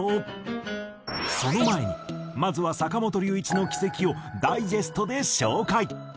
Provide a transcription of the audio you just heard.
その前にまずは坂本龍一の軌跡をダイジェストで紹介。